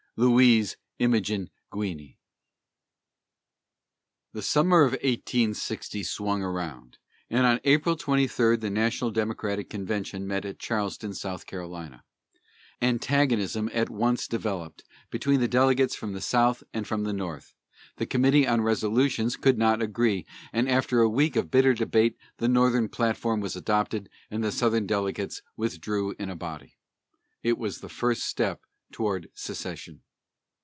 LOUISE IMOGEN GUINEY. The summer of 1860 swung around, and on April 23 the National Democratic Convention met at Charleston, S. C. Antagonism at once developed between the delegates from the South and from the North, the committee on resolutions could not agree, and after a week of bitter debate the Northern platform was adopted and the Southern delegates withdrew in a body. It was the first step toward secession.